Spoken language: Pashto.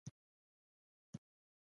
ته د خوبونو او خواهشاتو،